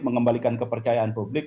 mengembalikan kepercayaan publik